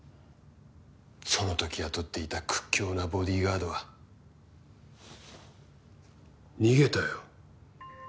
その時雇っていた屈強なボディーガードは逃げたよ。